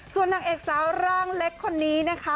ส่วนนางเอกสาวร่างเล็กคนนี้นะคะ